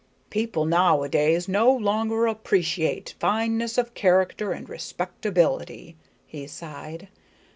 "People now a days no longer appreciate fineness of character and respectability," he sighed.